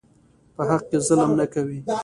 په حق کې ظلم نه کوي.